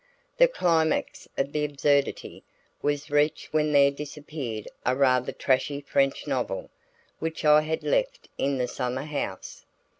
The climax of absurdity was reached when there disappeared a rather trashy French novel, which I had left in the summer house.